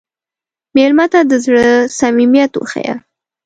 مېلمه ته د زړه صمیمیت وښیه.